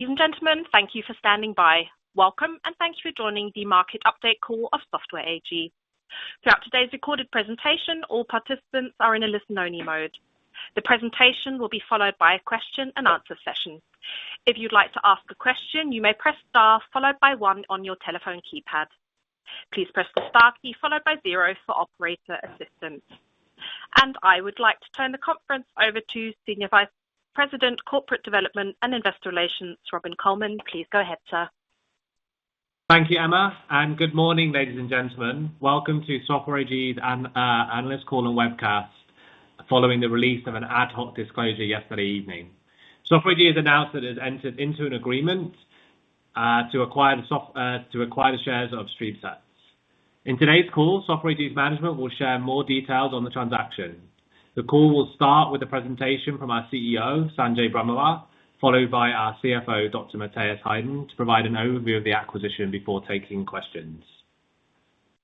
Ladies and gentlemen, thank you for standing by. Welcome, and thank you for joining the market update call of Software AG. Throughout today's recorded presentation, all participants are in a listen-only mode. The presentation will be followed by a question and answer session. If you'd like to ask a question, you may press star followed by one on your telephone keypad. Please press the star key followed by zero for operator assistance. I would like to turn the conference over to Senior Vice President, Corporate Development and Investor Relations, Robin Colman. Please go ahead, sir. Thank you, Emma, and good morning, ladies and gentlemen. Welcome to Software AG's analyst call and webcast following the release of an ad hoc disclosure yesterday evening. Software AG has announced that it entered into an agreement to acquire the shares of StreamSets. In today's call, Software AG's management will share more details on the transaction. The call will start with a presentation from our CEO, Sanjay Brahmawar, followed by our CFO, Dr. Matthias Heiden, to provide an overview of the acquisition before taking questions.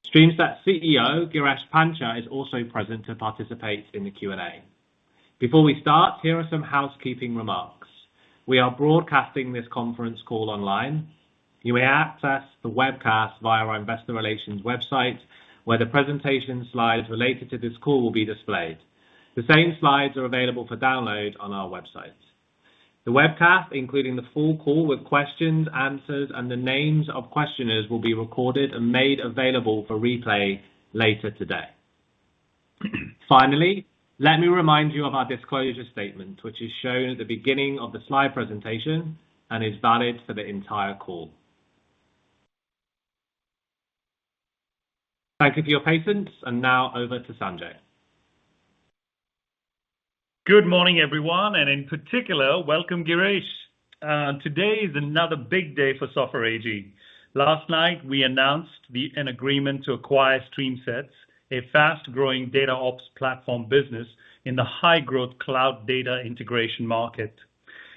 StreamSets CEO, Girish Pancha, is also present to participate in the Q&A. Before we start, here are some housekeeping remarks. We are broadcasting this conference call online. You may access the webcast via our investor relations website, where the presentation slides related to this call will be displayed. The same slides are available for download on our website. The webcast, including the full call with questions, answers, and the names of questioners, will be recorded and made available for replay later today. Finally, let me remind you of our disclosure statement, which is shown at the beginning of the slide presentation and is valid for the entire call. Thank you for your patience. Now over to Sanjay. Good morning, everyone, and in particular, welcome Girish. Today is another big day for Software AG. Last night, we announced an agreement to acquire StreamSets, a fast-growing DataOps platform business in the high-growth cloud data integration market.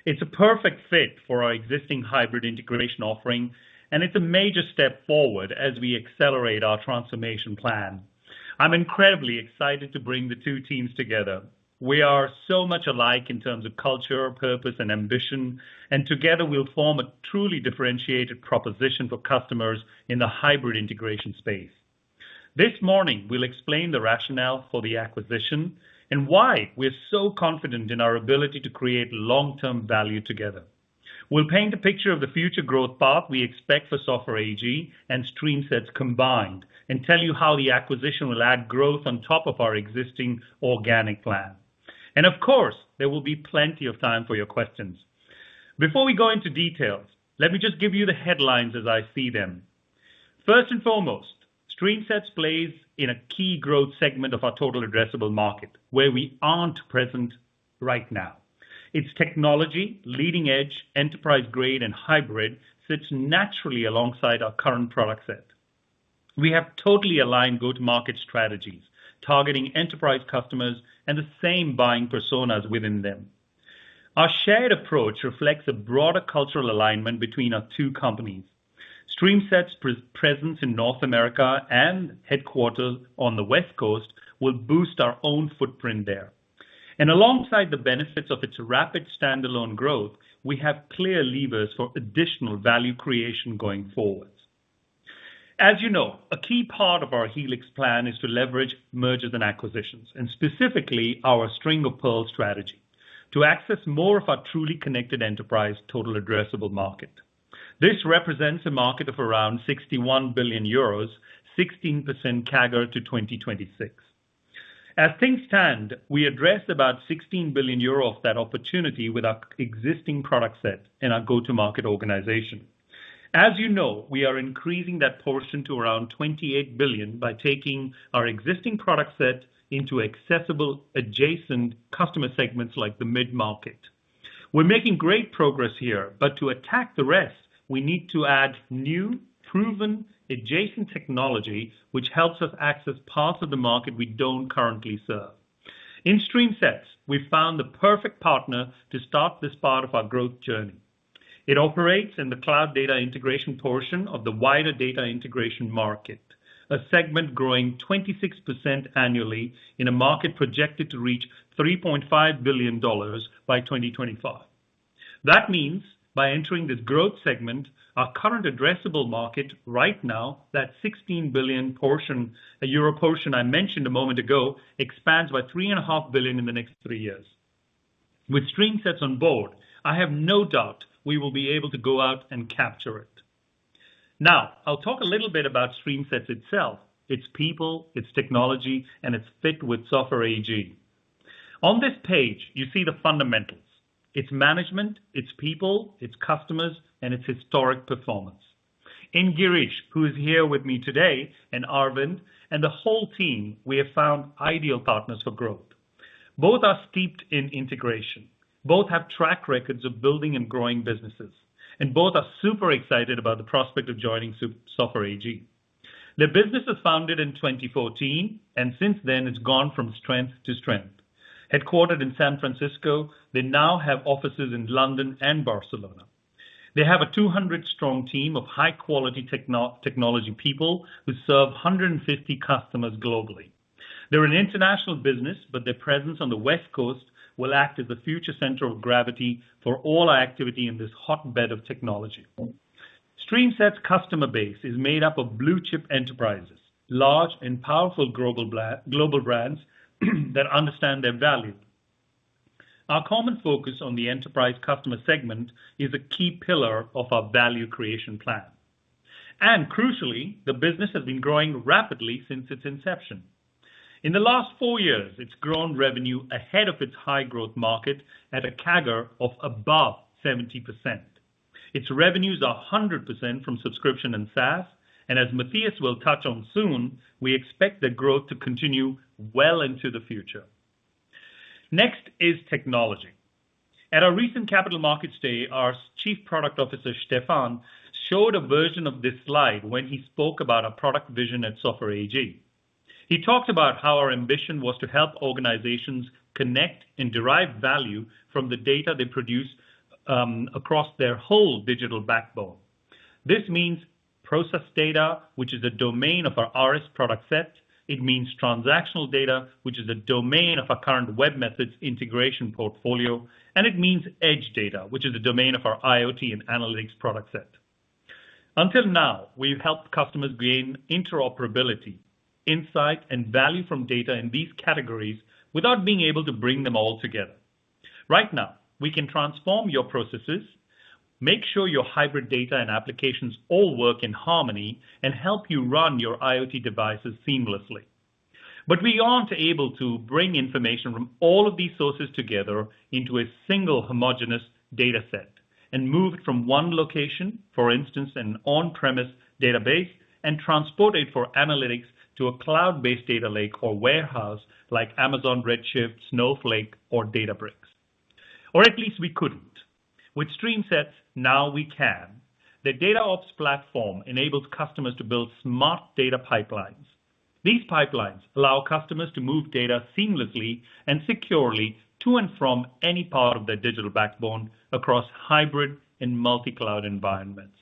It's a perfect fit for our existing hybrid integration offering, and it's a major step forward as we accelerate our transformation plan. I'm incredibly excited to bring the two teams together. We are so much alike in terms of culture, purpose, and ambition, and together we'll form a truly differentiated proposition for customers in the hybrid integration space. This morning, we'll explain the rationale for the acquisition and why we're so confident in our ability to create long-term value together. We'll paint a picture of the future growth path we expect for Software AG and StreamSets combined and tell you how the acquisition will add growth on top of our existing organic plan. Of course, there will be plenty of time for your questions. Before we go into details, let me just give you the headlines as I see them. First and foremost, StreamSets plays in a key growth segment of our total addressable market where we aren't present right now. Its technology, leading edge, enterprise grade, and hybrid sits naturally alongside our current product set. We have totally aligned go-to-market strategies, targeting enterprise customers and the same buying personas within them. Our shared approach reflects a broader cultural alignment between our two companies. StreamSets presence in North America and headquarters on the West Coast will boost our own footprint there. Alongside the benefits of its rapid standalone growth, we have clear levers for additional value creation going forward. As you know, a key part of our Helix plan is to leverage mergers and acquisitions, and specifically our string-of-pearls strategy to access more of our truly connected enterprise total addressable market. This represents a market of around 61 billion euros, 16% CAGR to 2026. As things stand, we address about 16 billion euro of that opportunity with our existing product set and our go-to-market organization. As you know, we are increasing that portion to around 28 billion by taking our existing product set into accessible adjacent customer segments like the mid-market. We're making great progress here, but to attack the rest, we need to add new proven adjacent technology, which helps us access parts of the market we don't currently serve. In StreamSets, we found the perfect partner to start this part of our growth journey. It operates in the cloud data integration portion of the wider data integration market, a segment growing 26% annually in a market projected to reach $3.5 billion by 2025. That means by entering this growth segment, our current addressable market right now, that 16 billion portion I mentioned a moment ago, expands by 3.5 billion in the next three years. With StreamSets on board, I have no doubt we will be able to go out and capture it. Now, I'll talk a little bit about StreamSets itself, its people, its technology, and its fit with Software AG. On this page, you see the fundamentals, its management, its people, its customers, and its historic performance. In Girish, who is here with me today, and Arvind, and the whole team, we have found ideal partners for growth. Both are steeped in integration. Both have track records of building and growing businesses, and both are super excited about the prospect of joining Software AG. Their business was founded in 2014, and since then, it's gone from strength to strength. Headquartered in San Francisco, they now have offices in London and Barcelona. They have a 200 strong team of high-quality technology people who serve 150 customers globally. They're an international business, but their presence on the West Coast will act as the future center of gravity for all our activity in this hotbed of technology. StreamSets customer base is made up of blue-chip enterprises, large and powerful global brands that understand their value. Our common focus on the enterprise customer segment is a key pillar of our value creation plan. Crucially, the business has been growing rapidly since its inception. In the last four years, it's grown revenue ahead of its high growth market at a CAGR of above 70%. Its revenues are 100% from subscription and SaaS, and as Matthias will touch on soon, we expect the growth to continue well into the future. Next is technology. At our recent Capital Markets Day, our Chief Product Officer, Stefan, showed a version of this slide when he spoke about our product vision at Software AG. He talked about how our ambition was to help organizations connect and derive value from the data they produce across their whole digital backbone. This means process data, which is a domain of our ARIS product set. It means transactional data, which is a domain of our current webMethods integration portfolio, and it means edge data, which is a domain of our IoT and analytics product set. Until now, we've helped customers gain interoperability, insight, and value from data in these categories without being able to bring them all together. Right now, we can transform your processes, make sure your hybrid data and applications all work in harmony and help you run your IoT devices seamlessly. We aren't able to bring information from all of these sources together into a single homogeneous data set and move it from one location, for instance, an on-premise database, and transport it for analytics to a cloud-based data lake or warehouse like Amazon Redshift, Snowflake, or Databricks. At least we couldn't. With StreamSets, now we can. The DataOps platform enables customers to build smart data pipelines. These pipelines allow customers to move data seamlessly and securely to and from any part of their digital backbone across hybrid and multi-cloud environments.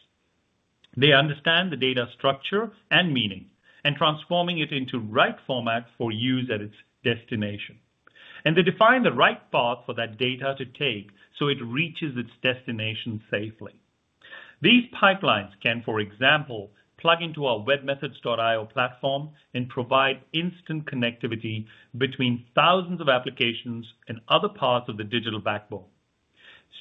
They understand the data structure and meaning and transforming it into right format for use at its destination. They define the right path for that data to take so it reaches its destination safely. These pipelines can, for example, plug into our webMethods.io platform and provide instant connectivity between thousands of applications and other parts of the digital backbone.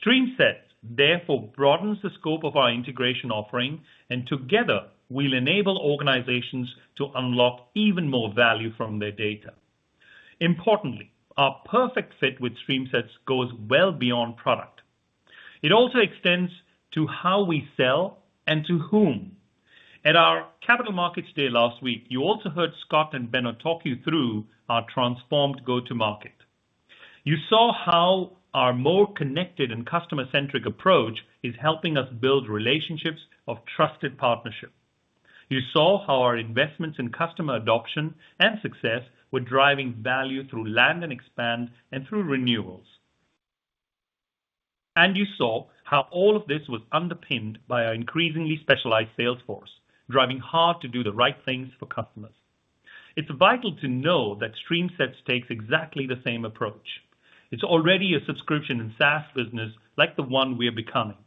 StreamSets, therefore, broadens the scope of our integration offering, and together, we'll enable organizations to unlock even more value from their data. Importantly, our perfect fit with StreamSets goes well beyond product. It also extends to how we sell and to whom. At our Capital Markets Day last week, you also heard Scott and Benno walk you through our transformed go-to-market. You saw how our more connected and customer-centric approach is helping us build relationships of trusted partnership. You saw how our investments in customer adoption and success were driving value through land and expand and through renewals. You saw how all of this was underpinned by our increasingly specialized sales force, driving hard to do the right things for customers. It's vital to know that StreamSets takes exactly the same approach. It's already a subscription and SaaS business like the one we are becoming.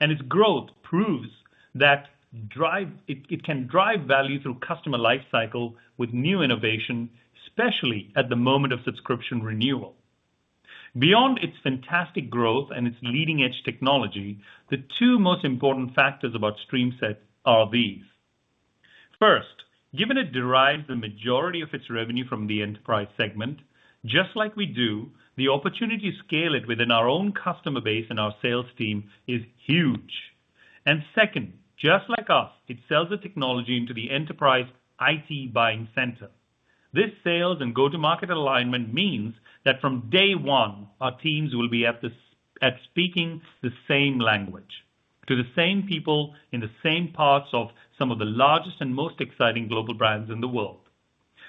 Its growth proves that it can drive value through customer life cycle with new innovation, especially at the moment of subscription renewal. Beyond its fantastic growth and its leading-edge technology, the two most important factors about StreamSets are these. First, given it derives the majority of its revenue from the enterprise segment, just like we do, the opportunity to scale it within our own customer base and our sales team is huge. Second, just like us, it sells the technology into the enterprise IT buying center. This sales and go-to-market alignment means that from day one, our teams will be speaking the same language to the same people in the same parts of some of the largest and most exciting global brands in the world.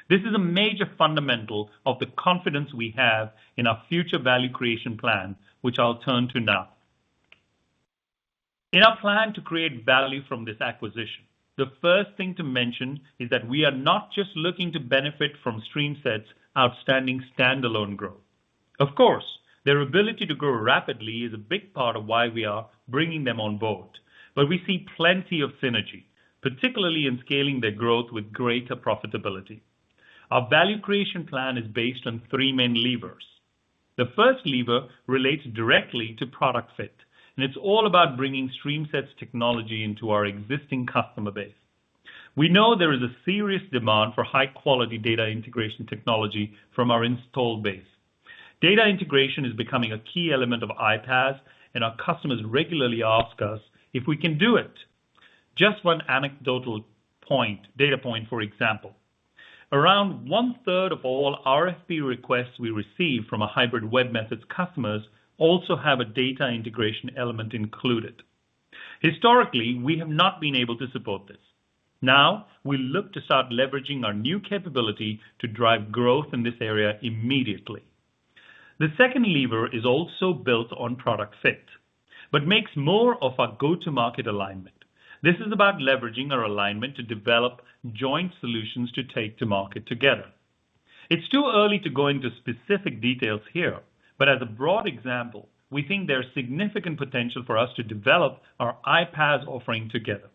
This is a major fundamental of the confidence we have in our future value creation plan, which I'll turn to now. In our plan to create value from this acquisition, the first thing to mention is that we are not just looking to benefit from StreamSets' outstanding standalone growth. Of course, their ability to grow rapidly is a big part of why we are bringing them on board. We see plenty of synergy, particularly in scaling their growth with greater profitability. Our value creation plan is based on three main levers. The first lever relates directly to product fit, and it's all about bringing StreamSets technology into our existing customer base. We know there is a serious demand for high-quality data integration technology from our installed base. Data integration is becoming a key element of iPaaS, and our customers regularly ask us if we can do it. Just one data point, for example. Around 1/3 of all RFP requests we receive from our hybrid webMethods customers also have a data integration element included. Historically, we have not been able to support this. Now, we look to start leveraging our new capability to drive growth in this area immediately. The second lever is also built on product fit, but makes more of a go-to-market alignment. This is about leveraging our alignment to develop joint solutions to take to market together. It's too early to go into specific details here, but as a broad example, we think there's significant potential for us to develop our iPaaS offering together.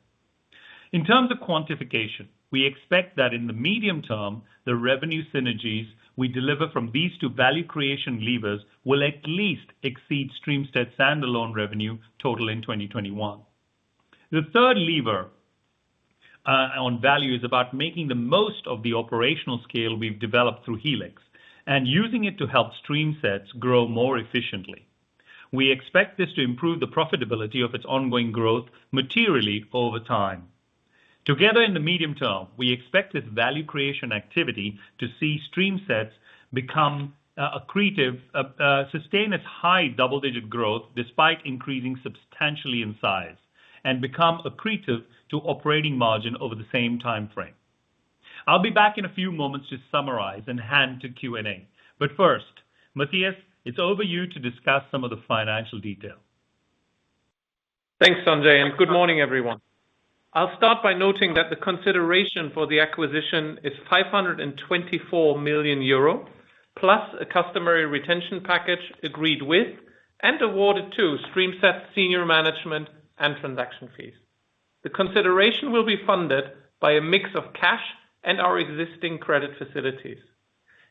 In terms of quantification, we expect that in the medium term, the revenue synergies we deliver from these two value creation levers will at least exceed StreamSets' standalone revenue total in 2021. The third lever on value is about making the most of the operational scale we've developed through Helix and using it to help StreamSets grow more efficiently. We expect this to improve the profitability of its ongoing growth materially over time. Together in the medium term, we expect this value creation activity to see StreamSets become accretive, sustain its high double-digit growth despite increasing substantially in size and become accretive to operating margin over the same timeframe. I'll be back in a few moments to summarize and hand to Q&A. First, Matthias, it's over to you to discuss some of the financial detail. Thanks, Sanjay, and good morning, everyone. I'll start by noting that the consideration for the acquisition is 524 million euro, plus a customary retention package agreed with and awarded to StreamSets senior management and transaction fees. The consideration will be funded by a mix of cash and our existing credit facilities.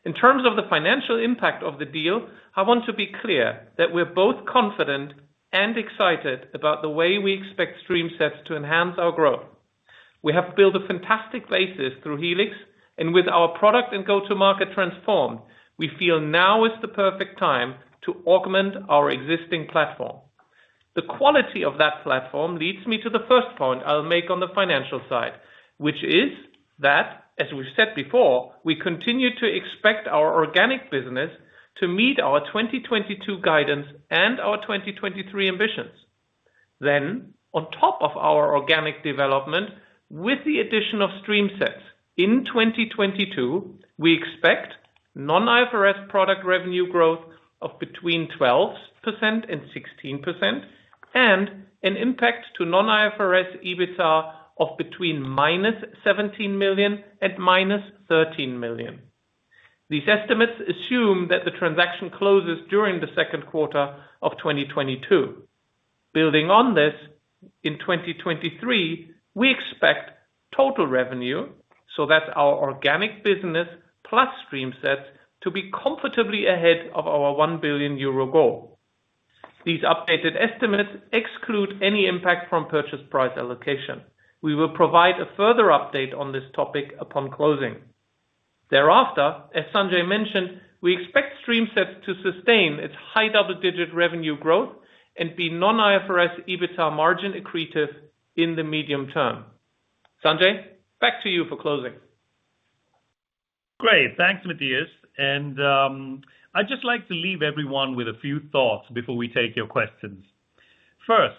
In terms of the financial impact of the deal, I want to be clear that we're both confident and excited about the way we expect StreamSets to enhance our growth. We have built a fantastic basis through Helix and with our product and go-to-market transformed, we feel now is the perfect time to augment our existing platform. The quality of that platform leads me to the first point I'll make on the financial side, which is that, as we said before, we continue to expect our organic business to meet our 2022 guidance and our 2023 ambitions. On top of our organic development, with the addition of StreamSets in 2022, we expect non-IFRS product revenue growth of between 12% and 16%, and an impact to non-IFRS EBITDA of between -17 million and -13 million. These estimates assume that the transaction closes during the second quarter of 2022. Building on this, in 2023, we expect total revenue, so that's our organic business plus StreamSets, to be comfortably ahead of our 1 billion euro goal. These updated estimates exclude any impact from purchase price allocation. We will provide a further update on this topic upon closing. Thereafter, as Sanjay mentioned, we expect StreamSets to sustain its high double-digit revenue growth and be non-IFRS EBITDA margin accretive in the medium term. Sanjay, back to you for closing. Great. Thanks, Matthias. I'd just like to leave everyone with a few thoughts before we take your questions. First,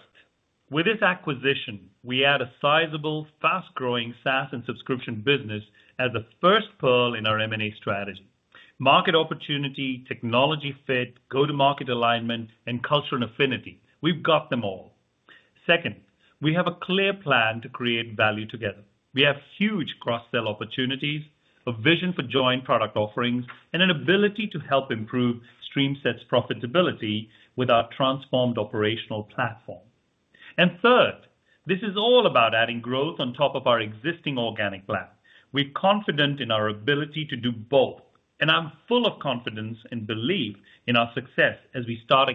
with this acquisition, we add a sizable, fast-growing SaaS and subscription business as the first pearl in our M&A strategy. Market opportunity, technology fit, go-to-market alignment, and culture and affinity. We've got them all. Second, we have a clear plan to create value together. We have huge cross-sell opportunities, a vision for joint product offerings, and an ability to help improve StreamSets' profitability with our transformed operational platform. Third, this is all about adding growth on top of our existing organic plan. We're confident in our ability to do both, and I'm full of confidence and belief in our success as we start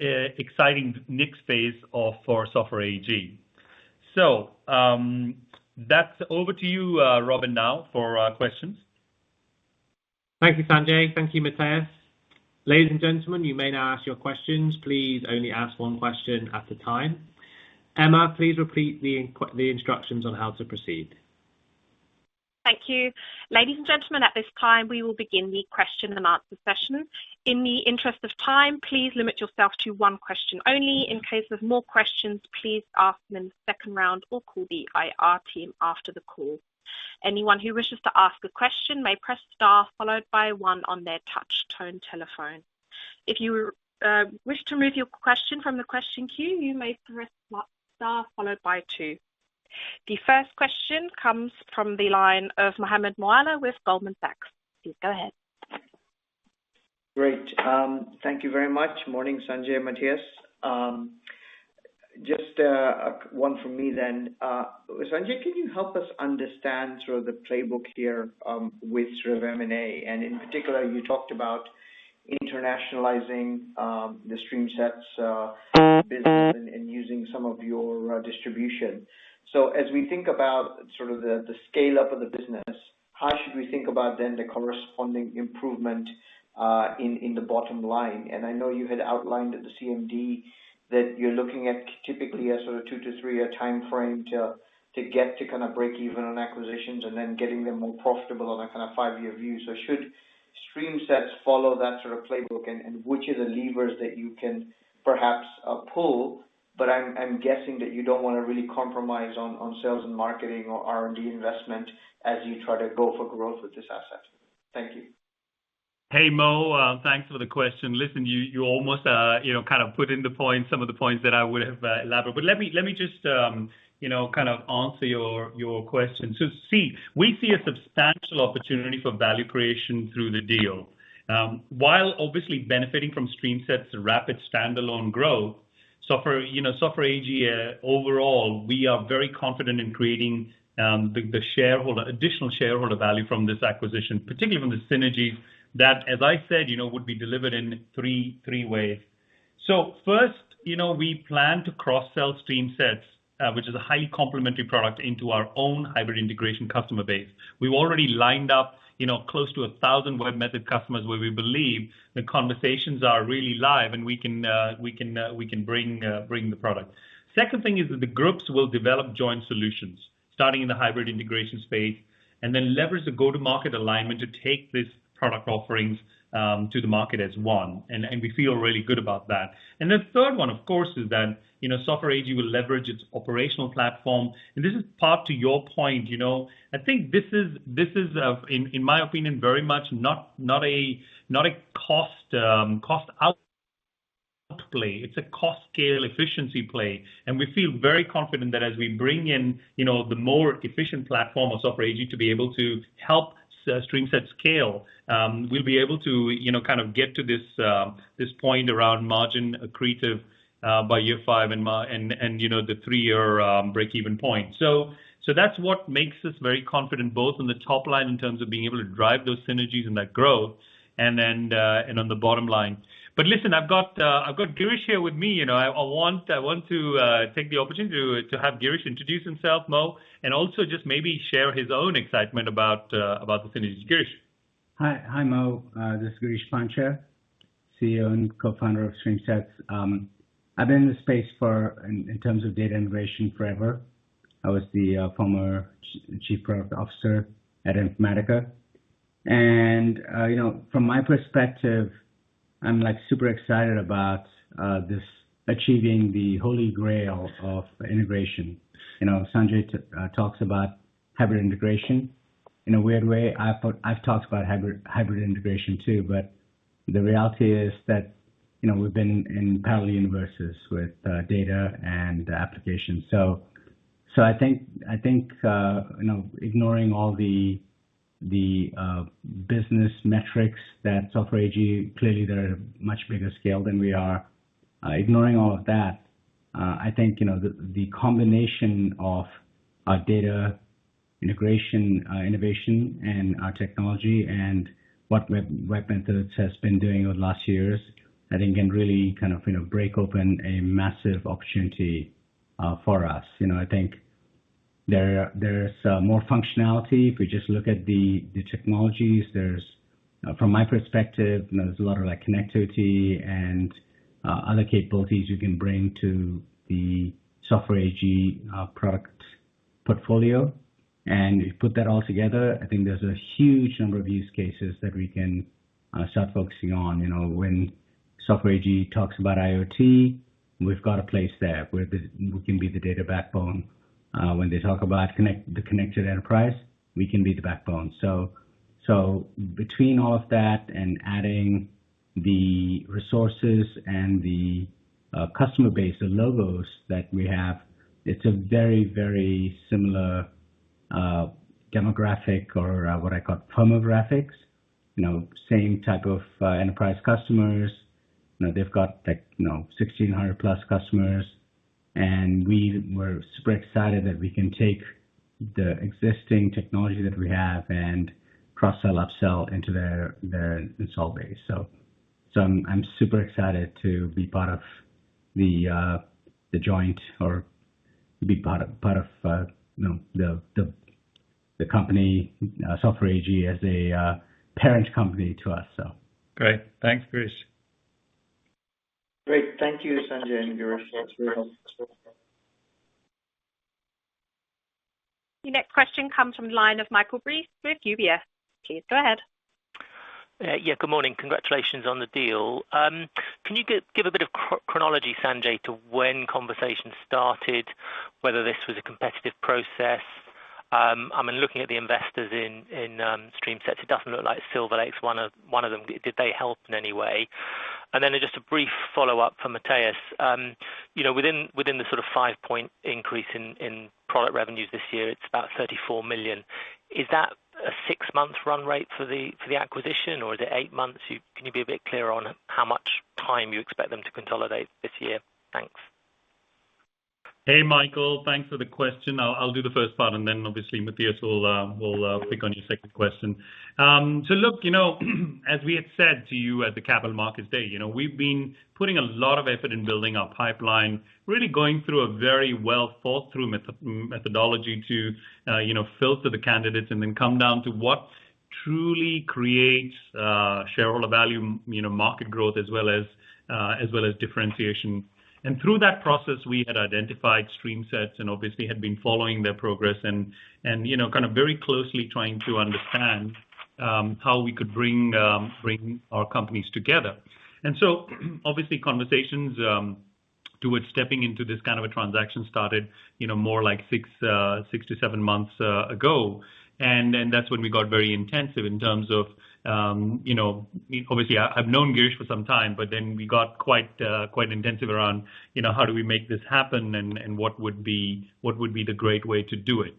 exciting next phase for Software AG. That's over to you, Robin, now for questions. Thank you, Sanjay. Thank you, Matthias. Ladies and gentlemen, you may now ask your questions. Please only ask one question at a time. Emma, please repeat the instructions on how to proceed. Thank you. Ladies and gentlemen, at this time, we will begin the question and answer session. In the interest of time, please limit yourself to one question only. In case of more questions, please ask them in the second round or call the IR team after the call. Anyone who wishes to ask a question may press star followed by one on their touch tone telephone. If you wish to remove your question from the question queue, you may press star followed by two. The first question comes from the line of Mohammed Moawalla with Goldman Sachs. Please go ahead. Great. Thank you very much. Morning, Sanjay, Matthias. Just one from me then. Sanjay, can you help us understand sort of the playbook here, with sort of M&A? In particular, you talked about internationalizing the StreamSets business and using some of your distribution. As we think about sort of the scale-up of the business, how should we think about then the corresponding improvement in the bottom line? I know you had outlined at the CMD that you're looking at typically a sort of two to three year timeframe to get to kind of break even on acquisitions and then getting them more profitable on a kind of five year view. Should StreamSets follow that sort of playbook? Which are the levers that you can perhaps pull? I'm guessing that you don't wanna really compromise on sales and marketing or R&D investment as you try to go for growth with this asset. Thank you. Hey, Mo, thanks for the question. Listen, you almost, you know, kind of some of the points that I would have elaborated. Let me just, you know, kind of answer your question. See, we see a substantial opportunity for value creation through the deal. While obviously benefiting from StreamSets rapid standalone growth, Software AG overall, we are very confident in creating additional shareholder value from this acquisition, particularly from the synergies that, as I said, you know, would be delivered in three ways. First, you know, we plan to cross-sell StreamSets, which is a highly complementary product, into our own hybrid integration customer base. We've already lined up, you know, close to 1,000 webMethods customers where we believe the conversations are really live, and we can bring the product. Second thing is that the groups will develop joint solutions, starting in the hybrid integration space, and then leverage the go-to-market alignment to take this product offerings to the market as one. We feel really good about that. The third one, of course, is that, you know, Software AG will leverage its operational platform. This is part to your point, you know. I think this is, in my opinion, very much not a cost outplay. It's a cost scale efficiency play. We feel very confident that as we bring in, you know, the more efficient platform of Software AG to be able to help StreamSets scale, we'll be able to, you know, kind of get to this point around margin accretive, by year five and the three-year breakeven point. That's what makes us very confident, both on the top line in terms of being able to drive those synergies and that growth and then on the bottom line. Listen, I've got Girish here with me, you know. I want to take the opportunity to have Girish introduce himself, Mo, and also just maybe share his own excitement about the synergies. Girish. Hi. Hi, Mo. This is Girish Pancha, CEO and Co-Founder of StreamSets. I've been in the space for in terms of data integration, forever. I was the former chief product officer at Informatica. You know, from my perspective, I'm like super excited about this achieving the holy grail of integration. You know, Sanjay talks about hybrid integration. In a weird way, I've talked about hybrid integration too, but the reality is that, you know, we've been in parallel universes with data and applications. I think, you know, ignoring all the business metrics that Software AG clearly they're much bigger scale than we are, ignoring all of that, I think, you know, the combination of our data integration innovation and our technology and what webMethods has been doing over the last years, I think can really kind of, you know, break open a massive opportunity for us. You know, I think there is more functionality if we just look at the technologies. There's from my perspective, you know, there's a lot of, like, connectivity and other capabilities we can bring to the Software AG product portfolio. You put that all together, I think there's a huge number of use cases that we can start focusing on. You know, when Software AG talks about IoT, we've got a place there where we can be the data backbone. When they talk about the connected enterprise, we can be the backbone. Between all of that and adding the resources and the customer base, the logos that we have, it's a very similar demographic, or what I call firmographics. You know, same type of enterprise customers. You know, they've got like, you know, 1,600+ customers, and we were super excited that we can take the existing technology that we have and cross-sell, up-sell into their install base. I'm super excited to be part of the joint or be part of you know, the company, Software AG as a parent company to us so. Great. Thanks, Girish. Great. Thank you, Sanjay and Girish. That's really helpful. Your next question comes from the line of Michael Briest with UBS. Please go ahead. Yeah, good morning. Congratulations on the deal. Can you give a bit of chronology, Sanjay, to when conversations started, whether this was a competitive process? I mean, looking at the investors in StreamSets, it doesn't look like Silver Lake's one of them. Did they help in any way? Just a brief follow-up from Matthias. You know, within the sort of 5 point increase in product revenues this year, it's about 34 million. Is that a six month run rate for the acquisition, or is it eight months? Can you be a bit clearer on how much time you expect them to consolidate this year? Thanks. Hey, Michael. Thanks for the question. I'll do the first part, and then obviously Matthias will pick up on your second question. So look, you know, as we had said to you at the Capital Markets Day, you know, we've been putting a lot of effort in building our pipeline, really going through a very well thought through methodology to, you know, filter the candidates and then come down to what truly creates shareholder value, you know, market growth as well as differentiation. Through that process, we had identified StreamSets and obviously had been following their progress and, you know, kind of very closely trying to understand how we could bring our companies together. Obviously, conversations towards stepping into this kind of a transaction started, you know, more like six to seven months ago. That's when we got very intensive in terms of, you know, obviously, I've known Girish for some time, but then we got quite intensive around, you know, how do we make this happen and what would be the great way to do it.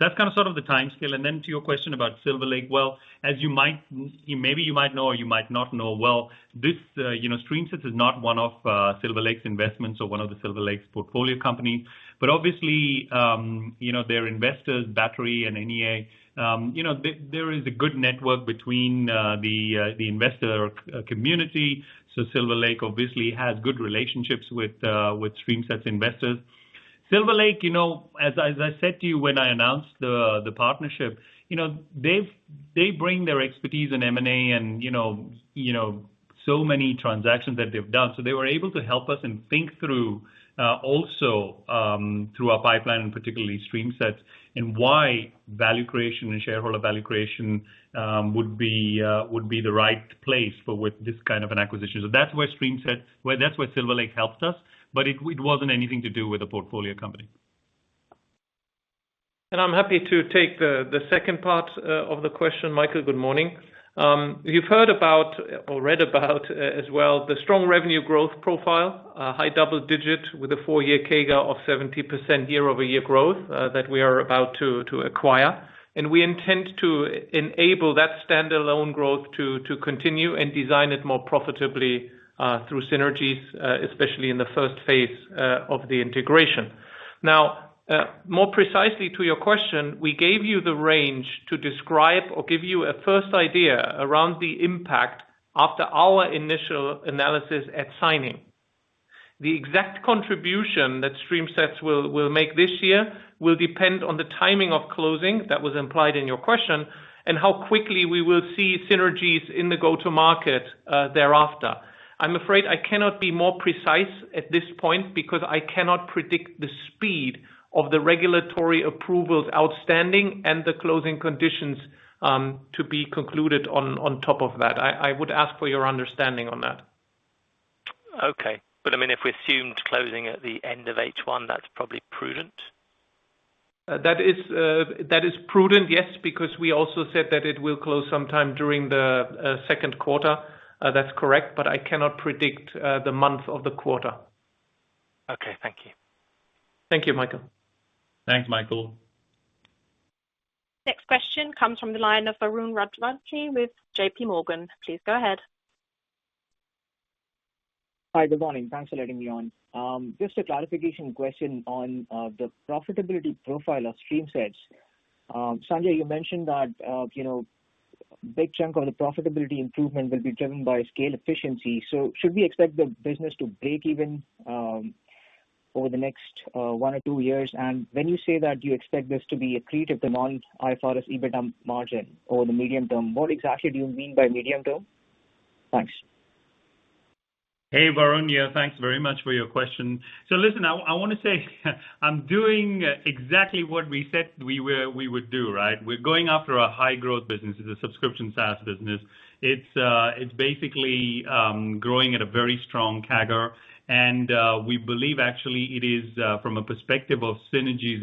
That's kind of sort of the timescale. To your question about Silver Lake, well, as you might know or you might not know, well, this, you know, StreamSets is not one of Silver Lake's investments or one of the Silver Lake's portfolio companies. Obviously, you know, their investors, Battery and NEA, you know, there is a good network between the investor community. So Silver Lake obviously has good relationships with StreamSets investors. Silver Lake, you know, as I said to you when I announced the partnership, you know, they bring their expertise in M&A and, you know, so many transactions that they've done. So they were able to help us and think through, also, through our pipeline, and particularly StreamSets, and why value creation and shareholder value creation would be the right place for with this kind of an acquisition. So that's where Silver Lake helped us, but it wasn't anything to do with a portfolio company. I'm happy to take the second part of the question. Michael, good morning. You've heard about or read about as well the strong revenue growth profile, high double-digit with a four year CAGR of 70% year-over-year growth that we are about to acquire. We intend to enable that standalone growth to continue and design it more profitably through synergies, especially in the first phase of the integration. Now, more precisely to your question, we gave you the range to describe or give you a first idea around the impact after our initial analysis at signing. The exact contribution that StreamSets will make this year will depend on the timing of closing, that was implied in your question, and how quickly we will see synergies in the go-to-market thereafter. I'm afraid I cannot be more precise at this point because I cannot predict the speed of the regulatory approvals outstanding and the closing conditions to be concluded on top of that. I would ask for your understanding on that. Okay. I mean, if we assumed closing at the end of H1, that's probably prudent? That is prudent, yes, because we also said that it will close sometime during the second quarter. That's correct, but I cannot predict the month of the quarter. Okay, thank you. Thank you, Michael. Thanks, Michael. Next question comes from the line of Varun Rajwanshi with JPMorgan. Please go ahead. Hi, good morning. Thanks for letting me on. Just a clarification question on the profitability profile of StreamSets. Sanjay, you mentioned that you know, big chunk of the profitability improvement will be driven by scale efficiency. Should we expect the business to break even over the next one or two years? And when you say that you expect this to be accretive to non-IFRS EBITDA margin over the medium term, what exactly do you mean by medium term? Thanks. Hey, Varun. Yeah, thanks very much for your question. Listen, I wanna say I'm doing exactly what we said we would do, right? We're going after a high-growth business. It's a subscription SaaS business. It's basically growing at a very strong CAGR. We believe actually it is from a perspective of synergies.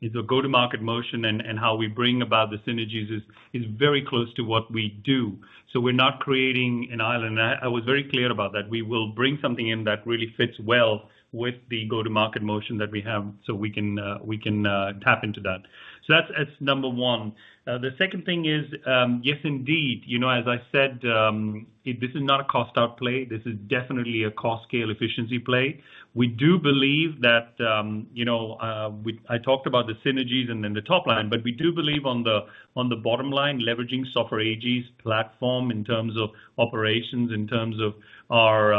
It's a go-to-market motion, and how we bring about the synergies is very close to what we do. We're not creating an island. I was very clear about that. We will bring something in that really fits well with the go-to-market motion that we have, so we can tap into that. That's number one. The second thing is, yes, indeed, you know, as I said, this is not a cost out play. This is definitely a cost scale efficiency play. We do believe that, you know, I talked about the synergies and then the top line, but we do believe on the bottom line, leveraging Software AG's platform in terms of operations, in terms of our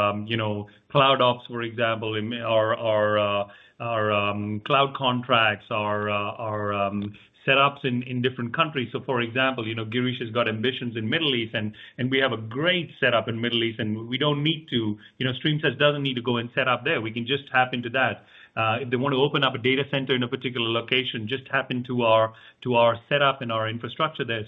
Cloud Ops, for example, in our cloud contracts, our setups in different countries. For example, you know, Girish has got ambitions in Middle East and we have a great setup in Middle East, and we don't need to, you know, StreamSets doesn't need to go and set up there. We can just tap into that. If they want to open up a data center in a particular location, just tap into our setup and our infrastructure there.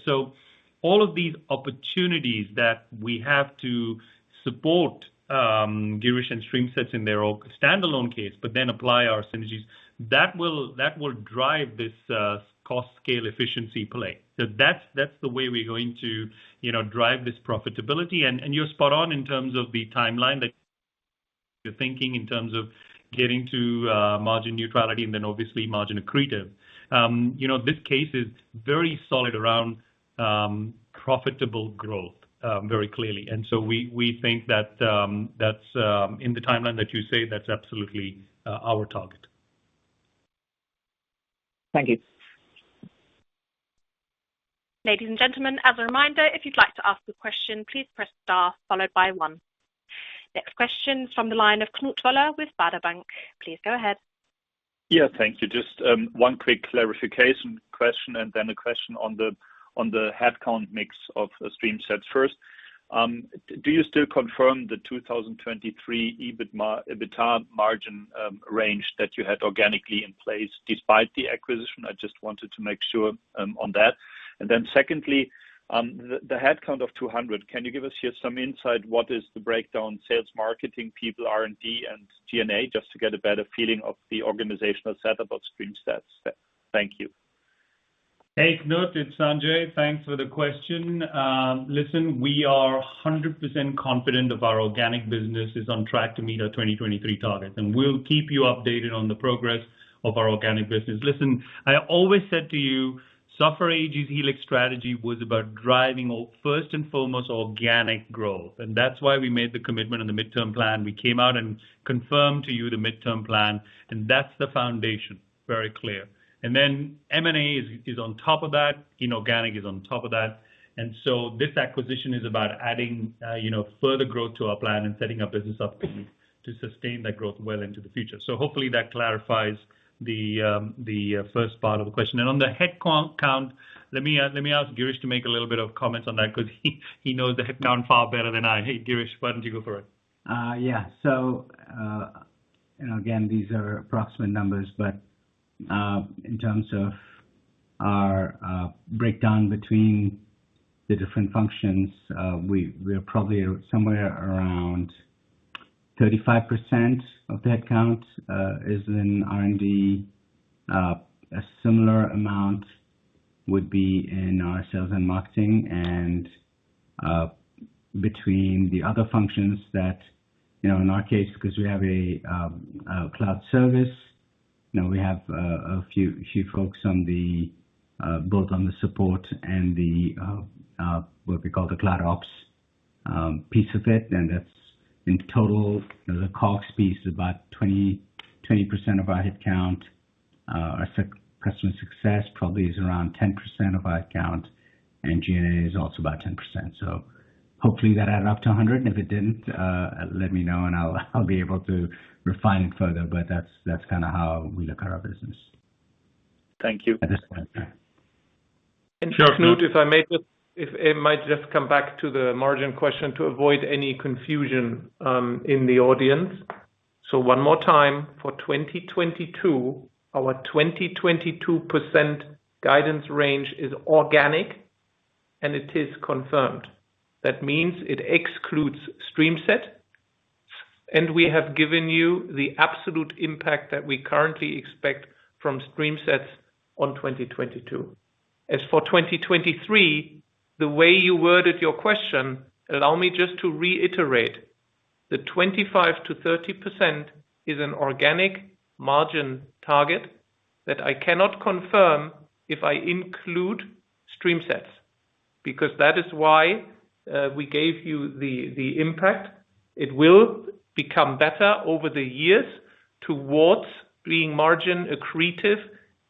All of these opportunities that we have to support Girish and StreamSets in their own standalone case, but then apply our synergies, that will drive this cost scale efficiency play. That's the way we're going to, you know, drive this profitability. You're spot on in terms of the timeline that you're thinking in terms of getting to margin neutrality and then obviously margin accretive. You know, this case is very solid around profitable growth very clearly. We think that that's in the timeline that you say, that's absolutely our target. Thank you. Ladies and gentlemen, as a reminder, if you'd like to ask a question, please press star followed by one. Next question from the line of Knut Woller with Baader Bank. Please go ahead. Yeah, thank you. Just one quick clarification question and then a question on the headcount mix of StreamSets first. Do you still confirm the 2023 EBITDA margin range that you had organically in place despite the acquisition? I just wanted to make sure on that. Secondly, the headcount of 200, can you give us here some insight what is the breakdown sales marketing people, R&D and G&A, just to get a better feeling of the organizational setup of StreamSets? Thank you. Hey, Knut, it's Sanjay. Thanks for the question. Listen, we are 100% confident of our organic business is on track to meet our 2023 targets, and we'll keep you updated on the progress of our organic business. Listen, I always said to you, Software AG's Helix strategy was about driving first and foremost, organic growth. That's why we made the commitment on the midterm plan. We came out and confirmed to you the midterm plan, and that's the foundation. Very clear. Then M&A is on top of that, inorganic is on top of that. This acquisition is about adding, you know, further growth to our plan and setting our business up to sustain that growth well into the future. Hopefully that clarifies the first part of the question. On the headcount, let me ask Girish to make a little bit of comments on that because he knows the headcount far better than I. Hey, Girish, why don't you go for it? Yeah. You know, again, these are approximate numbers, but in terms of our breakdown between the different functions, we're probably somewhere around 35% of the headcount is in R&D. A similar amount would be in our sales and marketing and between the other functions that, you know, in our case, because we have a cloud service, you know, we have a few folks on both on the support and the what we call the CloudOps piece of it. That's in total, you know, the ops piece is about 20% of our headcount. Our customer success probably is around 10% of our headcount, and G&A is also about 10%. Hopefully that added up to 100. If it didn't, let me know and I'll be able to refine it further. That's kinda how we look at our business. Thank you. At this point. Sure. Knut, if I might just come back to the margin question to avoid any confusion in the audience. One more time, for 2022, our 22% guidance range is organic, and it is confirmed. That means it excludes StreamSets, and we have given you the absolute impact that we currently expect from StreamSets on 2022. As for 2023, the way you worded your question, allow me just to reiterate that 25%-30% is an organic margin target that I cannot confirm if I include StreamSets, because that is why we gave you the impact. It will become better over the years towards being margin accretive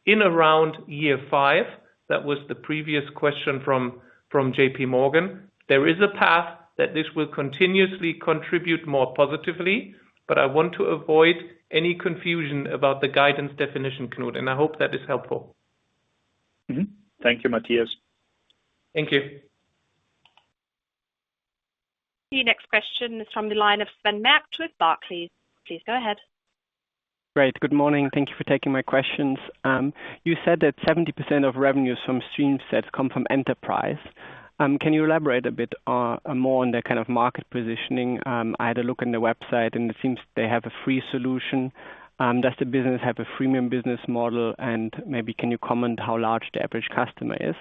in around year five. That was the previous question from JPMorgan. There is a path that this will continuously contribute more positively, but I want to avoid any confusion about the guidance definition, Knut, and I hope that is helpful. Thank you, Matthias. Thank you. The next question is from the line of Sven Merkt with Barclays. Please go ahead. Great. Good morning. Thank you for taking my questions. You said that 70% of revenues from StreamSets come from enterprise. Can you elaborate a bit more on their kind of market positioning? I had a look on their website, and it seems they have a free solution. Does the business have a freemium business model? And maybe can you comment how large the average customer is?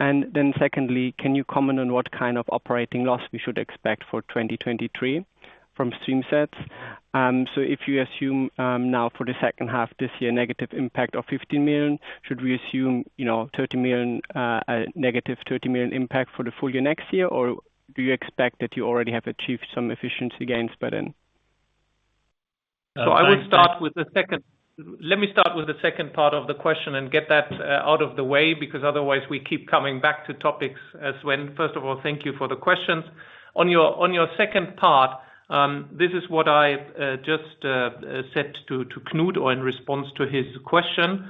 And then secondly, can you comment on what kind of operating loss we should expect for 2023 from StreamSets? So if you assume now for the second half this year, negative impact of 15 million, should we assume, you know, 30 million negative impact for the full-year next year? Or do you expect that you already have achieved some efficiency gains by then? Let me start with the second part of the question and get that out of the way, because otherwise we keep coming back to topics. First of all, thank you for the questions. On your second part, this is what I just said to Knut or in response to his question.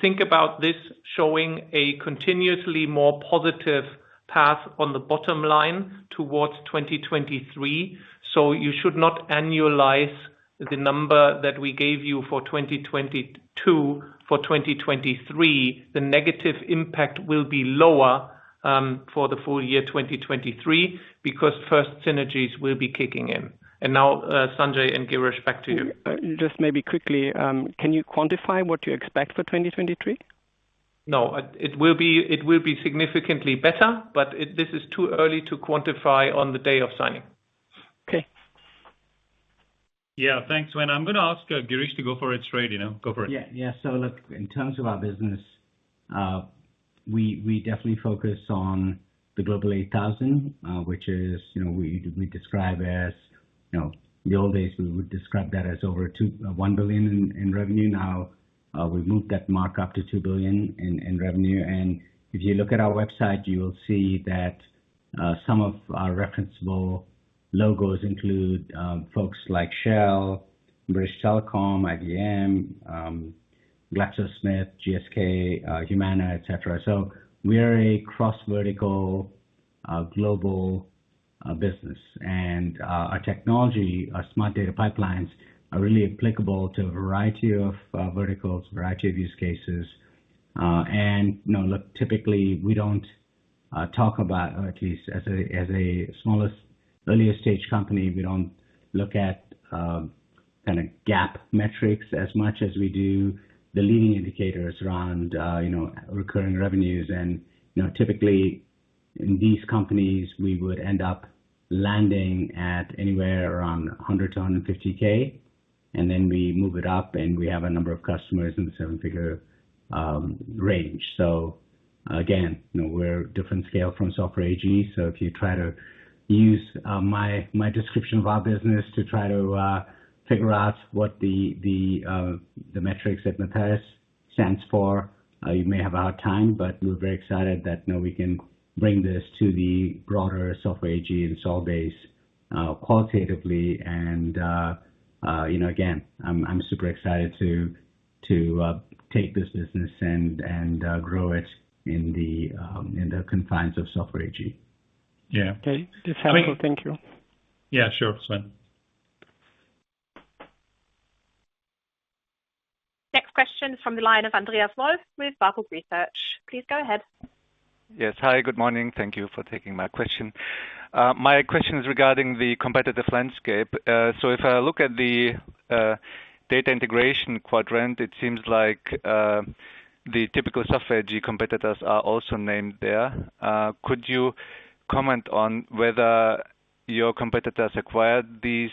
Think about this showing a continuously more positive path on the bottom line towards 2023. You should not annualize the number that we gave you for 2022. For 2023, the negative impact will be lower for the full-year 2023, because first synergies will be kicking in. Sanjay and Girish, back to you. Just maybe quickly, can you quantify what you expect for 2023? No. It will be significantly better, but this is too early to quantify on the day of signing. Okay. Yeah. Thanks, Sven. I'm gonna ask, Girish to go for it straight, you know. Go for it. Yeah. Yeah. Look, in terms of our business, we definitely focus on the Global 8000, which is, you know, we describe as, you know, the old days, we would describe that as over $1 billion in revenue. Now, we've moved that mark up to $2 billion in revenue. If you look at our website, you will see that some of our referenceable logos include folks like Shell, British Telecom, IBM, GlaxoSmithKline, GSK, Humana, etc. We are a cross-vertical global business. Our technology, our smart data pipelines are really applicable to a variety of verticals, variety of use cases. You know, look, typically, we don't talk about or at least as a smaller, earlier stage company, we don't look at GAAP metrics as much as we do the leading indicators around you know, recurring revenues. You know, typically in these companies, we would end up landing at anywhere around 100-150 K. Then we move it up, and we have a number of customers in the seven-figure range. So again, you know, we're different scale from Software AG. So if you try to use my description of our business to try to figure out what the metrics at Matthias stands for, you may have a hard time, but we're very excited that now we can bring this to the broader Software AG and SolBase qualitatively. you know, again, I'm super excited to take this business and grow it in the confines of Software AG. Yeah. Okay. It's helpful. Thank you. Yeah, sure. Sven. Next question is from the line of Andreas Wolf with Baader Research. Please go ahead. Yes. Hi, good morning. Thank you for taking my question. My question is regarding the competitive landscape. If I look at the data integration quadrant, it seems like the typical Software AG competitors are also named there. Could you comment on whether your competitors acquired these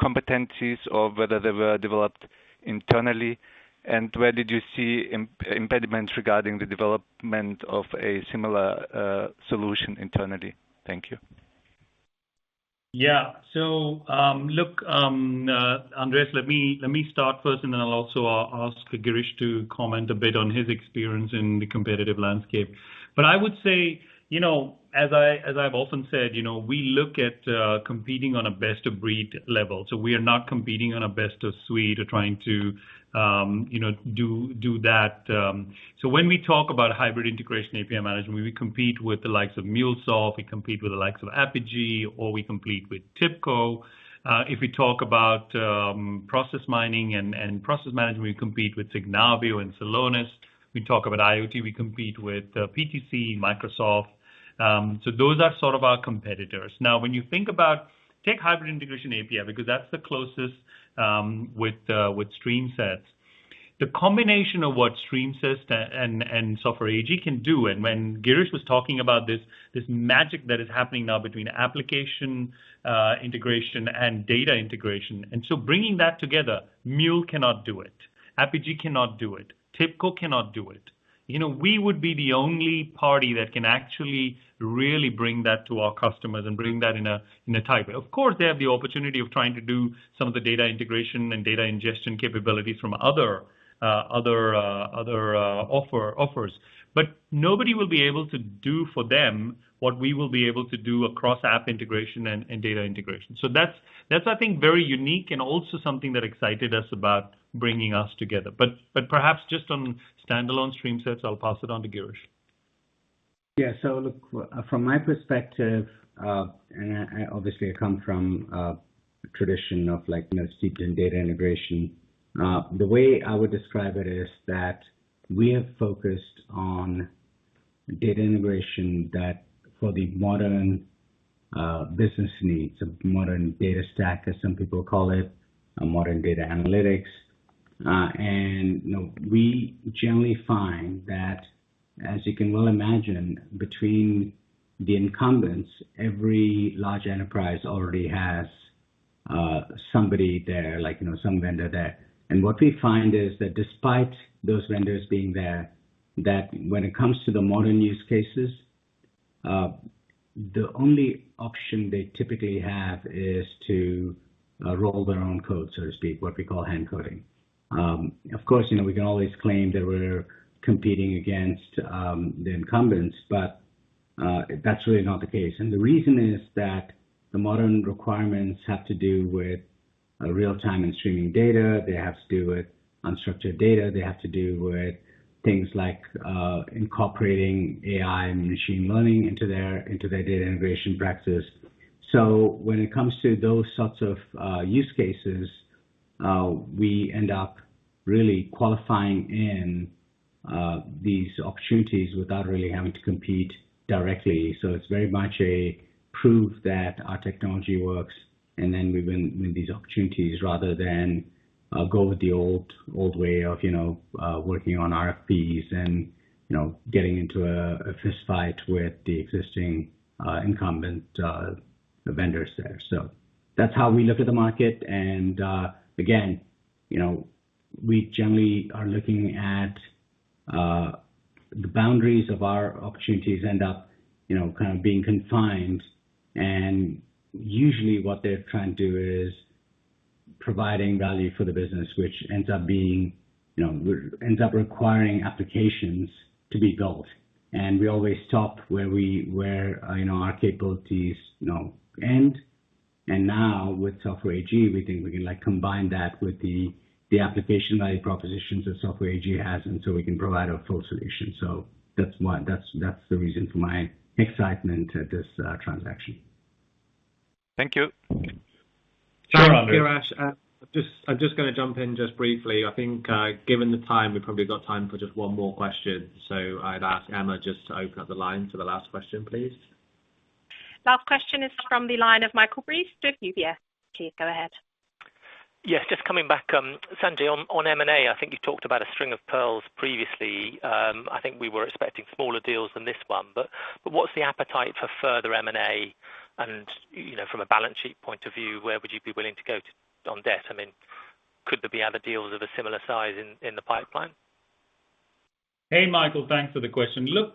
competencies or whether they were developed internally? Where did you see impediments regarding the development of a similar solution internally? Thank you. Yeah. Look, Andreas, let me start first, and then I'll also ask Girish to comment a bit on his experience in the competitive landscape. I would say, you know, as I've often said, you know, we look at competing on a best of breed level. We are not competing on a best of suite or trying to, you know, do that. When we talk about hybrid integration API management, we compete with the likes of MuleSoft, we compete with the likes of Apigee, or we compete with TIBCO. If we talk about process mining and process management, we compete with Signavio and Celonis. We talk about IoT, we compete with PTC, Microsoft. Those are sort of our competitors. Now, when you think about, Take hybrid integration API, because that's the closest with StreamSets. The combination of what StreamSets and Software AG can do, and when Girish was talking about this magic that is happening now between application integration and data integration. Bringing that together, MuleSoft cannot do it. Apigee cannot do it. TIBCO cannot do it. You know, we would be the only party that can actually really bring that to our customers and bring that in a type. Of course, they have the opportunity of trying to do some of the data integration and data ingestion capabilities from other offers. Nobody will be able to do for them what we will be able to do across app integration and data integration. That's, I think, very unique and also something that excited us about bringing us together. Perhaps just on standalone StreamSets, I'll pass it on to Girish. Yeah. Look, from my perspective, I obviously come from a tradition of like, you know, steeped in data integration. The way I would describe it is that we have focused on data integration that fits the modern business needs, a modern data stack, as some people call it, a modern data analytics. You know, we generally find that, as you can well imagine, between the incumbents, every large enterprise already has somebody there, like, you know, some vendor there. What we find is that despite those vendors being there, that when it comes to the modern use cases, the only option they typically have is to roll their own code, so to speak, what we call hand coding. Of course, you know, we can always claim that we're competing against the incumbents, but that's really not the case. The reason is that the modern requirements have to do with real-time and streaming data. They have to do with unstructured data. They have to do with things like incorporating AI and machine learning into their data integration practice. When it comes to those sorts of use cases, we end up really qualifying in these opportunities without really having to compete directly. It's very much a proof that our technology works, and then we win these opportunities rather than go with the old way of, you know, working on RFPs and, you know, getting into a fistfight with the existing incumbent vendors there. That's how we look at the market. Again, you know, we generally are looking at the boundaries of our opportunities end up, you know, kind of being confined. Usually, what they're trying to do is providing value for the business, which ends up being, you know, ends up requiring applications to be built. We always stop where, you know, our capabilities, you know, end. Now with Software AG, we think we can, like, combine that with the application value propositions that Software AG has, and so we can provide a full solution. That's the reason for my excitement at this transaction. Thank you. Sure, Andre. Girish, I'm just gonna jump in briefly. I think, given the time, we've probably got time for just one more question. I'd ask Emma to open up the line to the last question, please. Last question is from the line of Michael Briest with UBS. Please go ahead. Yes, just coming back, Sanjay, on M&A. I think you talked about a string of pearls previously. I think we were expecting smaller deals than this one, but what's the appetite for further M&A? You know, from a balance sheet point of view, where would you be willing to go to on debt? I mean, could there be other deals of a similar size in the pipeline? Hey, Michael, thanks for the question. Look,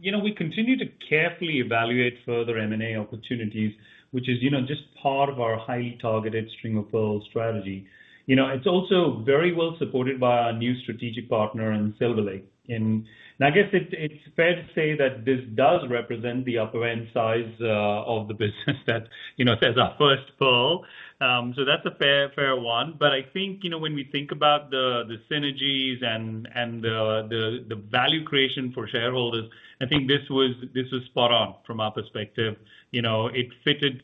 you know, we continue to carefully evaluate further M&A opportunities, which is, you know, just part of our highly targeted string-of-pearls strategy. You know, it's also very well supported by our new strategic partner in Silver Lake. I guess it's fair to say that this does represent the upper end size of the business that, you know, sets our first pearl. That's a fair one. I think, you know, when we think about the synergies and the value creation for shareholders, I think this was spot on from our perspective. You know, it fitted.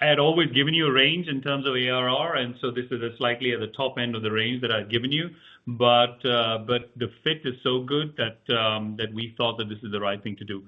I had always given you a range in terms of ARR, and so this is slightly at the top end of the range that I'd given you. The fit is so good that we thought that this is the right thing to do.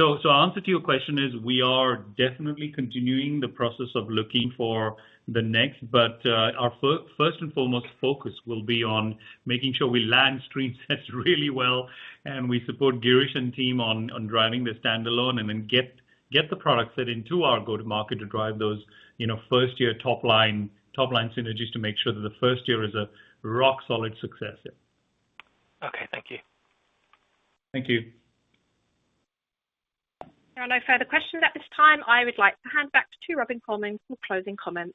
Answer to your question is we are definitely continuing the process of looking for the next, but our first and foremost focus will be on making sure we land StreamSets really well and we support Girish and team on driving the standalone and then get the product fit into our go-to-market to drive those, you know, first-year top-line synergies to make sure that the first year is a rock solid success. Okay, thank you. Thank you. There are no further questions at this time. I would like to hand back to Robin Colman for closing comments.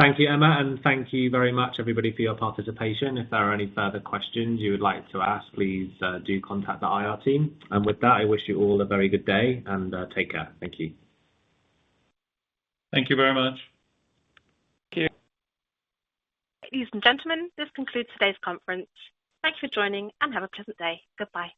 Thank you, Emma, and thank you very much everybody for your participation. If there are any further questions you would like to ask, please, do contact the IR team. With that, I wish you all a very good day, and, take care. Thank you. Thank you very much. Thank you. Ladies and gentlemen, this concludes today's conference. Thank you for joining, and have a pleasant day. Goodbye.